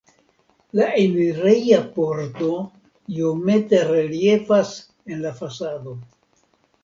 La enireja pordo iomete reliefas en la fasado.